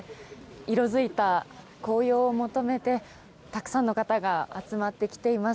色付いた紅葉を求めてたくさんの方が集まってきています。